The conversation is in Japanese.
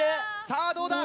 さぁどうだ？